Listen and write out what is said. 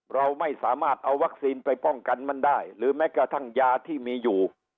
เราไม่สามารถเอาวัคซีนไปป้องกันมันได้หรือแม้กระทั่งยาที่มีอยู่